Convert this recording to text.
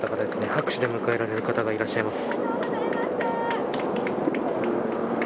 拍手で迎えられる方がいらっしゃいます。